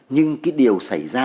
nhưng điều xảy ra